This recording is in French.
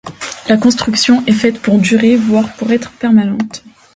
La construction est faite pour durer, voire pour être permanente.